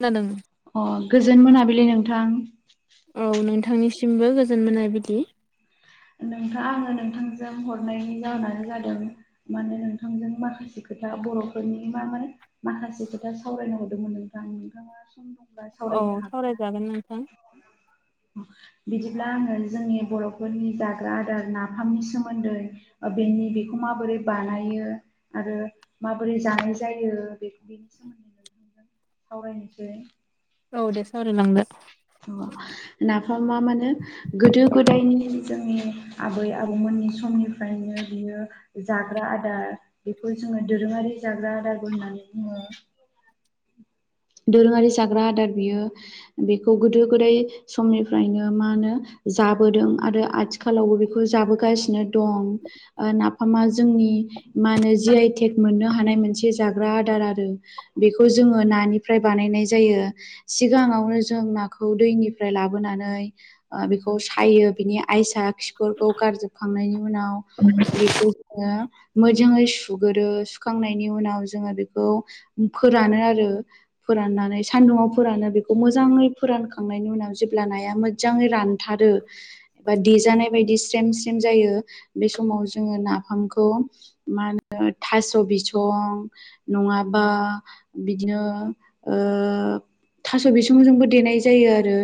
खोना दों। अ' गोजोन मोनाबिलि नोंथां‌। औ नोंथांनिसिमबो गोजोन मोना बिलि नोंथां आङो नोंथांजों हरनायनि जाहोनानो जादों। माने नोंथांजों माखासे खोथ था बर'फोरनि मा म माखासे खोथा सावरायनो हरदोंमोन नोंथां। नोंथाङा सम दं। औ सावरायजागोन नोंथां। बिदिब्ला आङो जोंनि बर'फोरनि जाग्रा आदार नाफामनि सोमोन्दै ओ बेनि बेखौ माबोरै बानायो। आरो माबोरै जानाय जायो। बेखौ बेनि सोमोन्दै नोंथांजों सावरायनोसै। औ दे सावराय लांदो। अ' नाफामा मानो गोदो गोदायनि जोंनि आबै आबौमोननि समनिफ्रायनो बियो जाग्रा आदार बेखौ जों आङो दोरोङारि जाग्रा रागु होननानै बुङो। दोरोङारि जाग्रा आदार बियो। बेखौ गोदो गोदाय समनिफ्रायनो मा होनो जाबोदों आरो आथिखालावबो बेखौ जाबोगासिनो दं। ओ नाफामा जोंनि नि माहोनो जिआयथेग मोननो हानाय मोनसे जाग्रा आदार आरो‌। बेखौ जोङो नानि फ्राय बानायनाय जायो। सिगाङावनो जों ना खौ दैनिफ्राय लाबोनानै ओ बेखौ सायो। बिनि आयसा खिफोरखौ गारजोबखांनायनि उनाव बेखौ जोङो। मोजाङै सुगोरो सुखांनायनि उनाव जोङो बेखौ फोरानो आरो। फोराननानै सान्दुंङाव फोरानो बेखौ मोजाङै फोरानखांनायनि उनाव जेब्ला नाया मोजाङै रानथा आरो एबा देजानाय बायदि स्रेम स्रेम जायो। बे समाव जोङो नाफामखौ मा होनो थास' बिसं नङाबा बिदिनो ओ थास' बिसंजोंबो देनाय जायो आरो।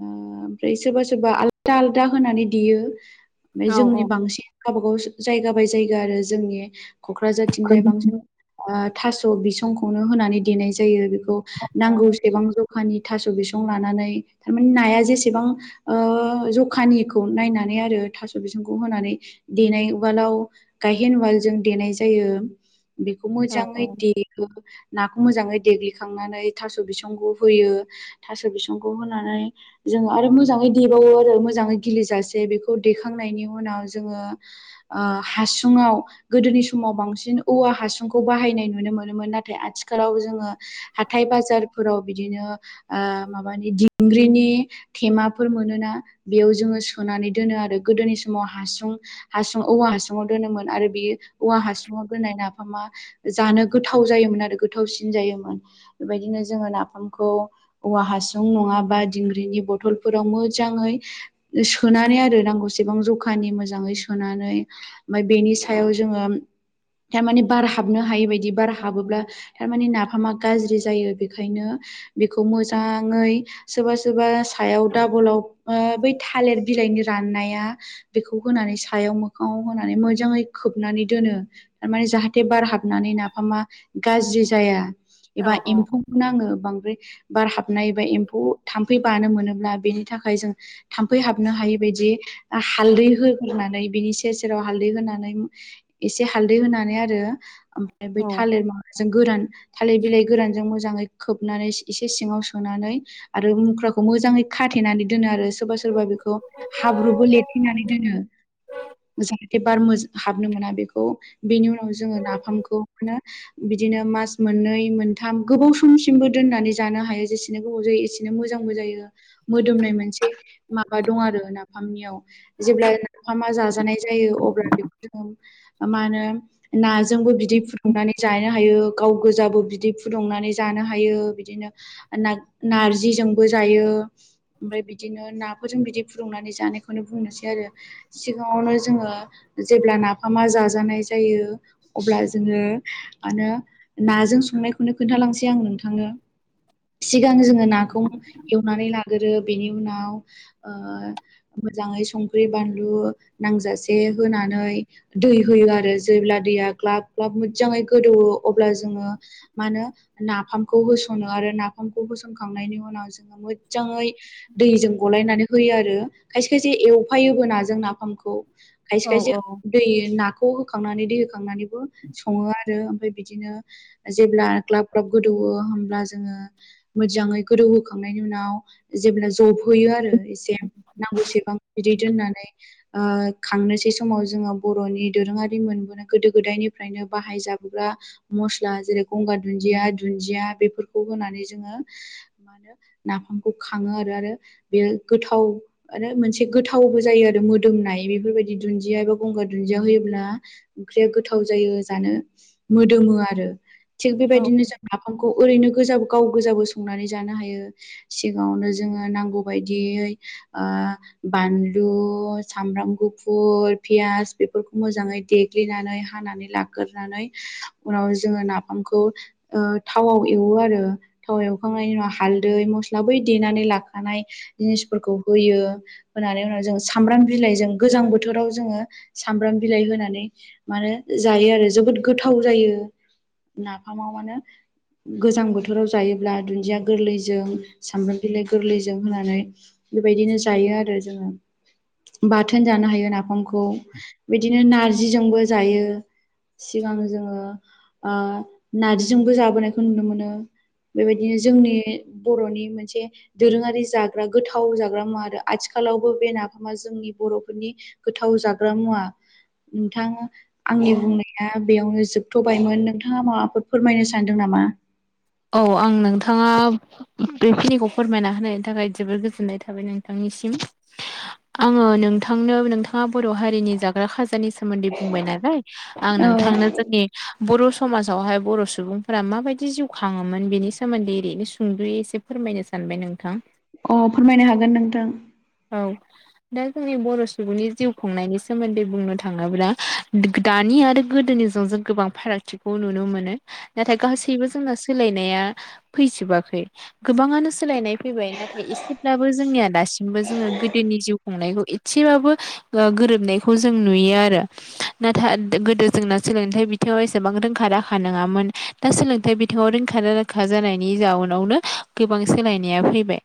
ओ ओमफ्राय सोरबा सोरबा आलदा आलदा होनानै देयो। नाय औ औ जोंनि बांसिन गावबा गाव जायगा बाय जायगा आरो जोंनि क'क्राझारथिंजाय बांसिन आ थास' बिसंखौनो होनानै देनाय जायो। बेफो खौ औ नांगौसेबां ज जखानि थास' बिसं लानानै। थारमानि नाया जेसेबां ओ जखानिखौ नायनानै नाय आरो थास' बिसंखौ होनानै देनाय उवालाव गायहेन उवालजों देनाय जायो। बेखौ मोजाङै औ देयो नाखौ मोजाङै देग्लिखांनानै थास' बिसंखौ होयो। थास' बिसंखौ होनानै जों आरो मोजाङै बाय देबावो आरो मोजाङै गिलि जासे बेखौ दे खांनायनि उनाव जोङो ओ हासु सुङाव गोदोनि समाव बांसिन औवा हासुंखौ बाहायनाय नुनो मोनोमोन। नाथाय आथिखालाव जोङो हाथाय बाजारफोराव बिदिनो ओ माबानि दिंग्रिनि थेमाफोर मोनोना बेयाव जोङो सोनानै। दोनो आरो गोदोनि समाव हासुं हासुं औवा हासुङाव दोनोमोन। आरो बियो औवा हासुाव दोननाय नाफामा जानो गोथाव जायोमोन आरो गोथावसिन जायोम मोन बेबायदिनो जोङो नाफामखौ औवा हासुं नङा बा। दिंग्रिनि बथलफोराव मोजाङै सोनानै आरो नांगौसेबां जखानि मोजाङै सो नानै ओमफ्राय बेनि सायाव जोङो थारमाने बार हाबनो हायि बायदि बार हाबोब्ला थारमाने नाफामा गाज्रि जायो। बेखायनो बेखौ मोजाङै सोरबा सोरबा सायाव डाबलाव ओ बै थालिर बिलाइनि रा राननाया बेखौ होनानै सायाव मोखाङाव होनानै मोजाङै खोबनानै दोनो। थारमाने जाहाथे बार हाबनानै नाफामा गाज्रि जाया। औ एबा एम्फौखौ नाङो बांद्राय बार हाबनाय एबा एम्फौ थाम्फै बानो मोनो ब्ला बेनि थाखाय जों थाम्फै हाबनो हायै बायदि ओ हालदै होग्रोनानै बिनि सेर सेराव हालदै होनानै एसे हालदै होनानै आरो ओमफ्राय बेै थालिर माबाजों गोरान थालाय बेलाय गोरानजों मोजै खोबनानै एसे सिङाव सोनानै आरो मुख्राखौ मोजाङै खाथेनानै दोनो आरो सोरबा सोरबा बेखौ हाब्रुबो लिरनानै दोनो। जाहाथे बार हाबनो मोना बेखौ बेनि उनाव जोङो नाफामखौ बिदिनो मास मोननै मोन थाम गोबाव समसिमबो दोननानै जानो हायो जेसेनो गोबाव जायो एसेनो मोजांबो जायो मोदोमनाय मोनसे से माबा दं आरो नाफामनियाव जेब्ल मा होनो नाजोंबो बिदै फुदुंनानै जानो हायो गाव गोजाबो बिदै फुुं फुदुंनानै जानो हायो बिदिनो नाग-नारजिजोंबो जायो ओमफ्राय बिदि दिनो नाफोरजों बिदि फुदुंनानै जानायखौनो बुंनोसै आरो सिगाङावनो जोङो जेब्ला ना नाफामा जाजानाय जायो अब्ला जोङो मा होनो नाजों संनाय खौनो खोन्थालांसै आं नोंथांनो। सिगां जोङो नाखौ एवनानै लाग्रो बेनि उनाव ओ मोजाङै संख्रि बानलु नांजासे होनानै दै होयो आरो जेब्ला दैया आ ग्लाब ग्लाब मोज्जाङै गोदौवो अब्ला जोङो मा होनो नाफामखौ होसनो आरो नाफामखौ होसनखांनायनि उनाव बेखो मोज्जाङै दैजों गलायनानै होयो आरो खायसे खायसे एवफायोबो नाजों नाफामखौ औ खायसे खायसे दै नाखौ खौ होखांनानै दै होखांनानैबो सङो आरो ओमफ्राय बिदिनो ओ जेब्ला ग्लाब ग्लाब गोदौवो होमब्ला जोङो मोज्जाङै गोदौहोखांनायनि उनाव जेब ला जब होयो आरो एसे नांगौसेबां बिदि दोननानै ओ खांनोसै समाव अजोङो बर'नि दोरोङारि मोनबोनाय गोदो गोदायनिफ्रायनो बाहाय जाबोग्रा मस्ला जेरै गंगार दुन्दिया दुन्दिया बेफोरखौ होनानै जोङो मा होनो नाफामखौ खाङो आरो ओ-आरो बेयो गोथाव आरो मोनसे गोथावबो जायो आरो मोदोमनाय बेफोरबायदि दुनदिया बा गंगार दुन्दिया होयोब्ला ओंख्रिया गोथाव जायो जानो मोदोमो आरो थिग औ बेबायदिनो जों नाफामखौ खौ ओरैनो गोजाबो गावगोजाबो संनानै जानो हायो सिगाङावनो जोङो नांगौबायदियै ओ बानलु सामब्राम गुफुर पियास बेफोरखौ मोजाङै देग्लिनानै हानानै लाग्रोनानै उनाव जोङो ना फामखौ ओ थावाव एवो आरो थावाव एवखांनायनि उनाव हालदै मस्ला बै देनानै लाखानाय जिनिसफोरखौ होयो होनानै उनाव जों साम्ब्राम बिलाइजों गोजां बो थोराव जोङो सामब्राम बिलाइ होनानै मानो जायो आरो जोबोद गोथाव जायो नाफामाव मानो गोजां बोथोराव जायोब्ला दुन्दिया गोरलैजों सामब्राम बिलाइ गोरलैजों होनानै बेबायदिनो जायो आरो जोङो बाथोन जानो हायो नाफामख खौ बिदिनो नारजिजोंबो जायो सिगां जोङो ओ नारजिजोंबो जाबोनायखौ नुनो मोनो। बेबायदिनो जोंनि बर'नि मोनसे दोरोङारि जाग्रा गोथाव जाग्रा मुवा आरो आथिखा खालावबो बे नाफामा जोंनि बर'फोरनि गोथाव जाग्रा मुवा नोंथां आंनि बुंनाया बेयावनो जोबथ'बायमोन नोंथाङा माबाफोर फोरमायनो सानदों नामा? औ आं नोंथाङा बेखिनिखौ फोरमायना होनायनि थाखाय जोबोर गोजोननाय थाबाय नोंथांनि निसिम। आङो नोंथांनो नोंथाङा बर' हारिनि जाग्रा खाजानि सोमोन्दै बुंबाय नालाय आं औ नोंथांनो जोंनि बर' समाजावहाय बर' सुबुंफोरा माबायदि जिउ खाङोमोन बेनि सोमोन्दै ओरैनो सुंदुयै एसे फोरमायनो सानबाय नोंथां? अ फोरमायनो हागोन नोंथां। औ दा जोंनि बर' सुबुंनि जिउ खुंनायनि सोमोन्दै बुंनो थाङोब्ला दा-दानि निआरो गोदोनिजों जों गोबां फारागथिखौ नुनो मोनो नाथाय गासैबो जोंना सोलायनाया फैजोबाखै गोबाङानो सोलायनाय फैबाय नाथाय एसेब्लाबो जोंनिया दा सिमबो जोङो गोदोनि जिउ खुंनायखौ एस्सेबाबो ओ गोरोबनायखौ जों नुयो आरो नाथाय दो गोदो जोंना सोलोंथाइ बिथिङाव एसेबां रोंखा राखा नोङामोन। दा सोलोंथाइ बि थिङाव रोंखा राखा जानायनि जाउनावनो गोबां सोलायनाया फैबाय।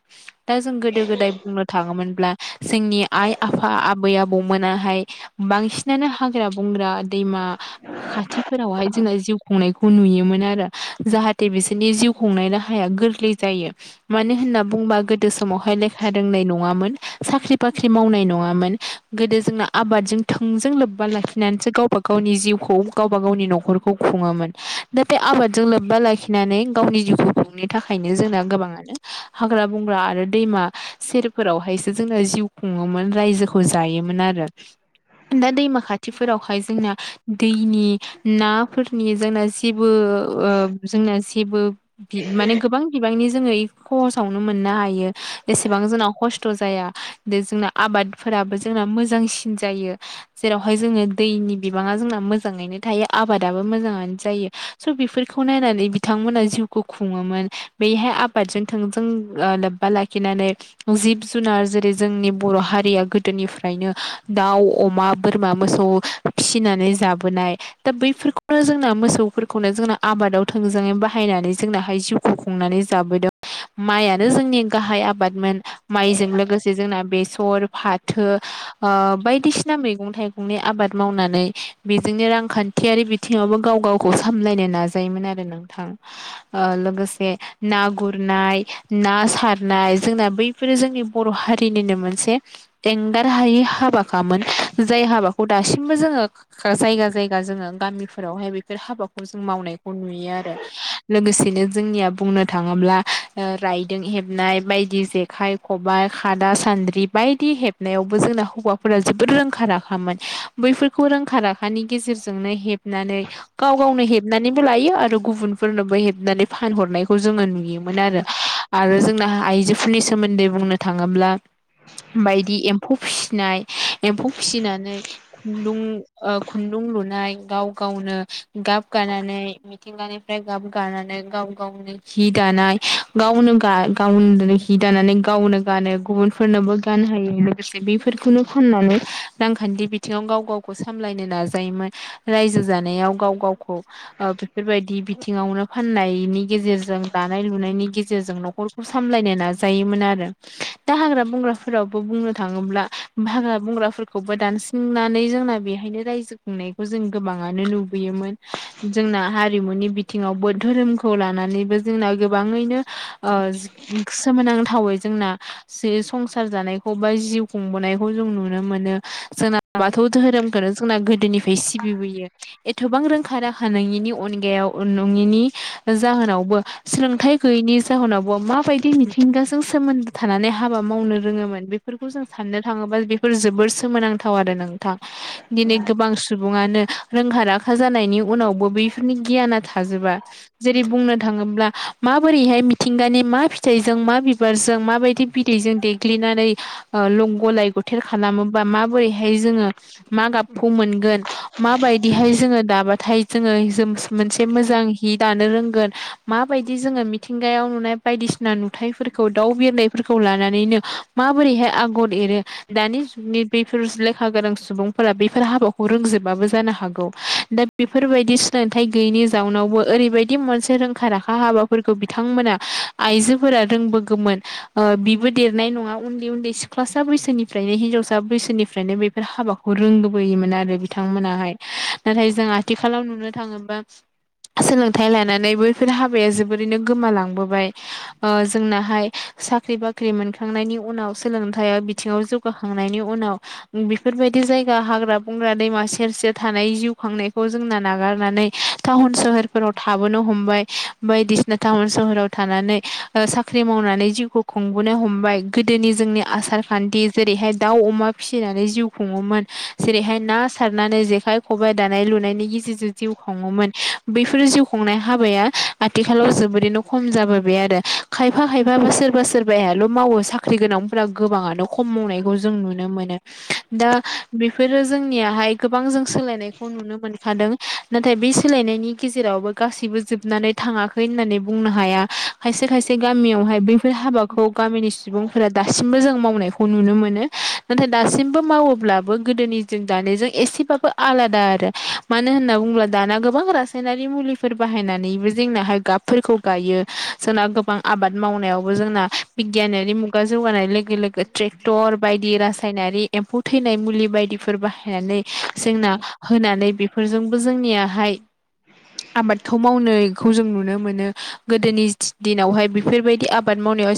दा जों गोदो गोदाय बुंनो थाङोमोनब्ला जोंनि आइ आफा आबै आबौमोनाहाय बांसिनानो हाग्रा बं ग्रा दैमा खाथिफोरावहाय जोंङो जिउ खुंनायखौ नुयोमोन आरो, जाहाथे बिसोरनि जिउ खुंनाय राहाया गोरलै जायो मानो होनना बुंबा गोदो समावहाय ले खा रोंनाय नङामोन, साख्रि बाख्रि मावनाय नङामोन, गोदो जोंना आबादजों थोंजों लोब बा लाखिनानैसो गावबा गावनि जिउखौ गावबा गावनि न'खखौ खुङोमोन। दा बे आबादजों लोब बा लाखिनानै गावनि जिउखौ खुंनो थाखायनो जोंना गोबाङानो हांग्रा बंग्रा आरो दैमा सेरफोरावहायसो जोंङो जिउ खुङोमोन रायजोखौ जायोमोन आरो। दा दैमा खाथिफोरावहाय जोंना दैनि नाफोरनि जोंना जेबो ओ जोंना जेबो बि माने गोबां बिबां नि जोङो खहसावनो मोननो हायो एसेबां जोंना खस्थ' जाया, दा जोंना आबाद फोराबो जों मोजांसिन जायो जेरावहाय जोङो दैनि बिबाङा जोंना मोजाङैनो थायो, आबादाबो मोजाङैनो जायो, स' बेफोर खौ नायनानै बिथांमोनहा जिउखौ खुङोमोन बेहाय आबादजों थोंजों ओ लोब्बा लाखिनानै जिब जुनार जेरै जोंनि बर' हारिया गोदोनिफ्रायनो दाउ, अमा, बोर मा, मोसौ फिसिनानै जाबोनाय। दा बैफोरखौनो जोंना मोसौफोरखौनो जोंना आबादाव थोंजोङै बाहायनानै जोंनाहाय जिउखौ खुंनानै जाबोदों। माइयानो जोंनि गाहाइ आबादमोन, माइजों लोगोसे जोंना बेसर फाथो बायदिसिना ओ मैगं थाइगंनि आबाद मावनानै बेजोंनो रांखान्थियारि बिथिङावबो गाव गावखौ सामलायनो नाजा योमोन आरो नोंथां। लोगोसे ना गुरनाय, ना सार नाय जोंना बैफोरो जोंनि बर' हारिनिनो मोनसे एंगार हायि हाबाखामोन जाय हाबाखौ दासिमबो जोङो जायगा जायगा जोङो गामिफोरावहाय बेफोर हाबाखौ जों मावनाय खौ नुयो आरो। लोगोसेनो जोंनिया बुंनो थाङोब्ला रायदों हेबनाय बायदि बायदि जेखाइ, खबाइ, खादा, सान्द्रि बायदि हेबनायावबो जोंना हौवाफोरा जोबोद रोंखा रा खामोन। बैफोरखौ रोंखा राखानि गेजेरजोंनो हेबनानै गाव गावनो हेबना नैबो लायो आरो गुबुनफोरनोबो हेबनानै फानहरनायखौ जोङो नुयोमोन आरो। आरो जोंना आइजोफोरनि सोमोन्दै बुंनो थाङोब्ला बायदि एम्फौ फिसिनाय, एम्फौ फिसिनानै खुन्दुं ओ खुन्दुं लुनाय गाव गावनो गाब गानाय मिथिंगानिफ्राय गाब गानानै गाव गावनो हि दानाय, गावनो गावनो बिदिनो हि दानानै गावनो गानो, गुबुनफोरनोबो गान हायो लोगोसे बेफोरखौनो फाननानै रांखान्थि बिथिङाव गाव गावखौ सामलायनो नाजायोमोन। रायजो जानायाव गाव गाव खौ ओ बेफोरबायदि बिथिङावनो फाननायनि गेजेरजों दानाय लुनायनि गेजेरजों न'खरखौ सामलाय नो नाजायोमोन आरो दा हाग्रा बंग्राफोरावबो बुंनो थाङोब्ला हाग्रा बंग्राफोरखौ बो दानस्रांनानै जोंना बेहायनो रायजो खुंनायखौ जों गोबाङानो नुबोयोमोन। जोंना हारिमुनि बिथिङावबो धोरोमखौ लानानैबो जोंना गोबाङैनो ओ सोमोनांथावै जोंना जे संसार जानायखौ बा जिउ खुंबोनायखौ जों नुनो मो नो। जोंना बाथौ दोहोरोमखौनो जोंना गोदोनिफ्राय सिबिबोयो। एथ'बां रोंखा रा खा नङिनि अनगायाव नङिनि जाहोनावबो सोलोंथाइ गैयैनि जाहोनावबो माबायदि मिथिंगाजों सोमोन्दो थानानै हाबा मावनो रोङोमोन, बेफोरखौ जों साननो थाङो बा बेफोर जोबोर सोमोनांथाव आरो नोंथां। दिनै गोबां सुबुङानो रोंखा राखा जानायनि उनावबो बैफोरनि गियाना थाजोबा जेरै बुंनो थाङोब्ला माबोरैहाय मिथिंगानि मा फिथाइजों मा बिबारजों माबायदि बिदैजों देग्लिनानै ओ ल गलाय गथेर खालामोबा माबोरै हाय जोङो मा गाबखौ मोनगोन, माबायदिहाय जोङो दाबा थाय जोङो जोब मोनसे मोजां हि दानो रोंगोन माबायदि जोङो मिथिंगायाव नुनाय बायदिसिना नुथायफोरखौ दाउ बिरनायफोरखौ लानानैनो माबोरैहाय आगर एरो दानि जुगनि बेफोर लेखा गोरां सुबुंफोरा बेफोर हाबाखौ रोंजोबाबो जानो हागौ दा बेफोरबायदि सोलोंथाइ गैयिनि जाउनावबो ओरैबायदि मोनसे रोंखा-राखा हाबाफोरखौ बिथांमोना आइजोफोरा रोंबोगौमोन, बिबो देरनाय नङा उन्दै उन्दै सिख्लासा बैसोनिफ्रायनो हिनजावसा बैसोनिफ्रायनो बेफोर हाबाखौ रोंबोयोमोन आरो बिथांमोनाहाय नाथाय जों आथिखालाव नुनो थाङोबा सोलोंथाइ लानानै बैफोर हाबाया जोबोरैनो गोमालांबोबाय ओ जोंनाहाय साख्रि बाख्रि मोनखांनायनि उनाव सोलोंथाय बिथिंङाव जौगाखांनायनि उनाव बेफोरबायदि जायगा हाग्रा बंग्रा दैमा सेर सेर थानाय जिउ खांनाय खौ जोंना नागारनानै टाउन सोहोरफोराव थाबोनो हमबाय बायदिसिना टाउन सोहोराव थानानै साख्रि मावनानै जिउखौ खुंबोनो हमबाय गोदोनि जोंनि आसारखान्थि जेरैहाय दाउ अमा फिसिनानै जिउ खुंङोमोन जेरैहाय ना सारनानै जेखाय खबाइ दान नाय लुनायनि गेजेरजों जिउ खुंङोमोन बैफोर जिउ खुंनाय हाबाया आथिखालाव जोबोरैनो खम जाबोबाय आरो खायफा खायफाबो सोरबा सोरबाल' मावो साख्रि गोनांफोरा गोबांङानो खम मावनायखौ जों नुनो मोनो दा बेफोरो जोंनियाहाय गोबां जों सोलायनाय नुनो मोनखादों नाथाय बे सोलायनायनि गेजेरावबो गासैबो जोबनानै थांङाखै होननानै बुं नो हाया खायसे खायसे गामियावहाय बैफोर हाबाखौ गामिनि सुबुंफोरा दासिमबो जों मावनायखौ खौ नुनो मोनो नाथाय दासिमबो मावोब्लाबो गोदोनिजों दानिजों एसेबाबो आलादा आरो मानो होनना बुंङोब्ला दाना गोबां रासायनारि मुलिफोर बाहायनानैबो जोंनाहाय गाबफोरखौ गायो गायो जोंना गोबां आबाद मावनायावबो जोंना बिगियानारि मुगा जौगानाय लोगो लोगो ट्रेक्टर बायदि रासायनारि एम्फौ थैनाय मुलि बायदिफोर बाहायनानै जोंना होनानै बेफोरजोंबो जोंनियाहाय आबादखौ मावनायखौ जों नुनो मोनो गोदोनि दिनावहाय बेफोरबायदि आबाद मावनायाव